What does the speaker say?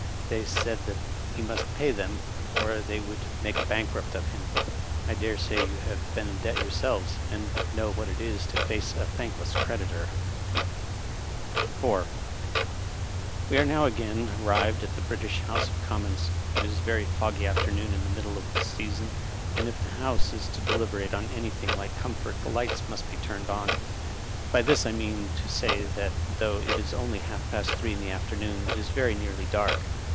They said that he must pay them, or they would make a bankrupt of him. I dare say you have been in debt yourselves, and know what it is to face a thankless creditor. Digitized by VjOOQIC 176 EILE7, M.P. IV. We are now again arrived at the Britieh House of CommoDs. It is a very foggy afternoon in the middle of the season, and if the Honse is to deliberate in any thing like comfort the lights must be tnmed on. By this I mean to say that though it is only haK past three in the afternoon, it is very nearly dark.